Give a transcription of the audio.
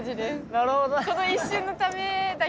なるほど。